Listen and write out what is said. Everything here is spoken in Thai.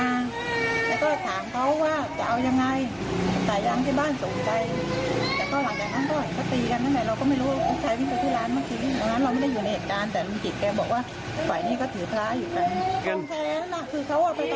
แล้วก็ถามเขาว่าจะเอายังไง